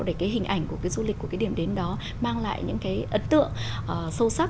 để cái hình ảnh của cái du lịch của cái điểm đến đó mang lại những cái ấn tượng sâu sắc